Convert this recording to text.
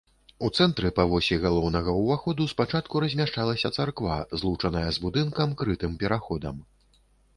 У цэнтры па восі галоўнага ўваходу спачатку размяшчалася царква, злучаная з будынкам крытым пераходам.